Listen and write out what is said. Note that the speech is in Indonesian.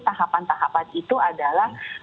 tahapan tahapan itu adalah